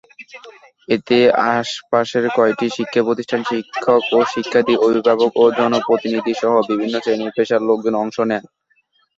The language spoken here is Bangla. এতে আশপাশের কয়েকটি শিক্ষাপ্রতিষ্ঠানের শিক্ষক-শিক্ষার্থী, অভিভাবক, জনপ্রতিনিধিসহ বিভিন্ন শ্রেণি-পেশার লোকজন অংশ নেন।